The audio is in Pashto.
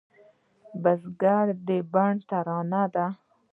بزګر د بڼ ترانه ده